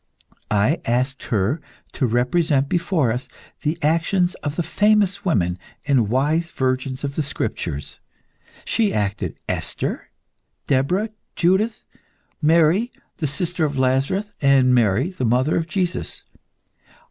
I asked her to represent before us the actions of the famous women and wise virgins of the Scriptures. She acted Esther, Deborah, Judith, Mary, the sister of Lazarus, and Mary, the mother of Jesus.